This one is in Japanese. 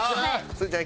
すずちゃん！